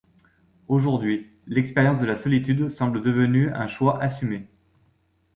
Aujourd’hui, l’expérience de la solitude semble devenue un choix assumé.